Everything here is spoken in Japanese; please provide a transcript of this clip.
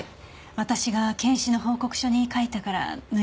私が検視の報告書に書いたから抜いたんでしょうか？